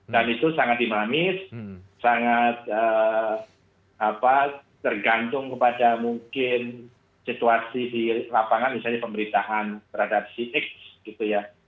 dan itu sangat dimamis sangat tergantung kepada mungkin situasi di lapangan misalnya pemerintahan terhadap cites gitu ya